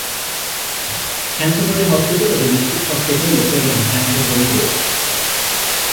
Canterbury Hospital is a district hospital located on Canterbury Road.